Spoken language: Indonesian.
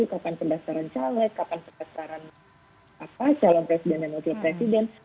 kapan pendaftaran caleg kapan pendaftaran calon presiden dan wakil presiden